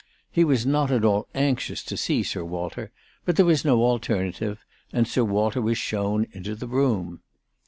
He was not at all anxious to see Sir Walter ; but there was no alternative, and Sir Walter was shown into the room.